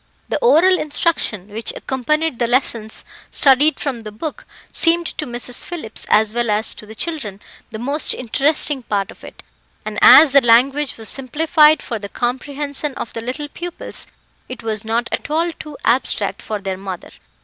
The oral instruction which accompanied the lessons studied from the book, seemed to Mrs. Phillips as well as to the children, the most interesting part of it, and as the language was simplified for the comprehension of the little pupils, it was not at all too abstract for their mother.